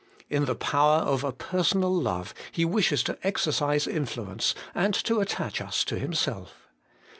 In the power of a personal love He wishes to exercise influence, and to attach us to Himself.